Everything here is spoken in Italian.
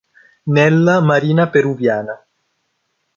Nella Marina Peruviana.